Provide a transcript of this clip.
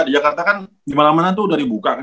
di jakarta kan gimana mana itu udah dibuka kan